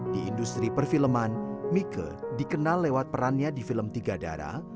di industri perfilman mika dikenal lewat perannya di film tiga darah